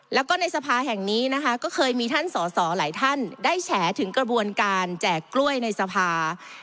แล้วก็ในสภาแห่งนี้นะคะก็เคยมีท่านสอสอหลายท่านได้แฉถึงกระบวนการแจกกล้วยในสภา